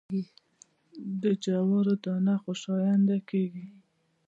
د جوارو دانه جوشانده کیږي.